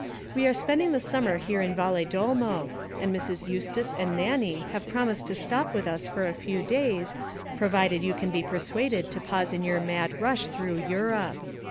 We are spending the summer here in Valedolmo, and Mrs. Eustace and Nannie have promised to stop with us for a few days, provided you can be persuaded to pause in your mad rush through Europe.